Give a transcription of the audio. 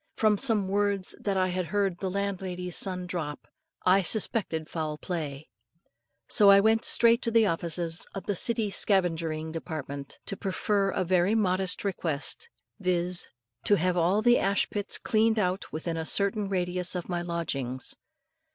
From some words that I had heard the landlady's son drop, I suspected foul play; so I went straight to the offices of the City Scavengering Department to prefer a very modest request, viz., to have all the ashpits cleaned out within a certain radius of my lodgings.